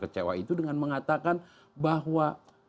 kecewa itu dengan mengatakan bahwa